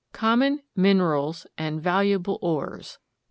] COMMON MINERALS AND VALUABLE ORES.